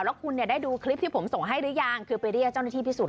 แล้วคุณเนี่ยได้ดูคลิปที่ผมส่งให้หรือยังคือไปเรียกเจ้าหน้าที่พิสูจน